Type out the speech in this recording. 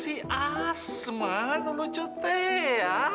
si asman dulu cuti ya